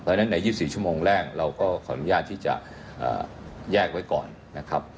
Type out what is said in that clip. เพราะฉะนั้นใน๒๔ชั่วโมงแรกเราก็ขออนุญาตที่จะแยกไว้ก่อนนะครับ